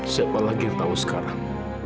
siapa lagi yang tahu sekarang